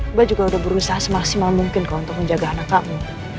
mbak juga sudah berusaha semaksimal mungkin kok untuk menjaga anak kamu